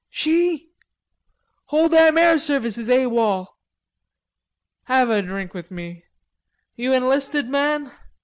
Shee?.... Whole damn Air Service is A. W. O. L. Have a drink with me.... You enlisted man?